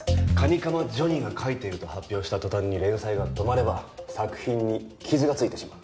蟹釜ジョニーが描いていると発表した途端に連載が止まれば作品に傷が付いてしまう。